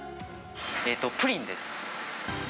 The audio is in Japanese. プリンです。